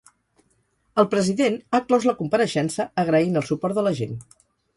El president ha clos la compareixença agraint el suport de la gent.